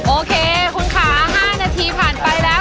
โอเคขูนขา๕นาทีผ่านไปแล้ว